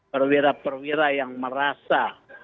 perwira perwira yang merasa